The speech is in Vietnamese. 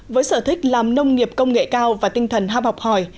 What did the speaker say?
với sở thích làm nông nghiệp công nghệ cao và tinh thần hap học hỏi